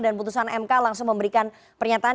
dan putusan mk langsung memberikan pernyataan